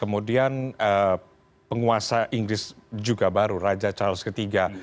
kemudian penguasa inggris juga baru raja charles iii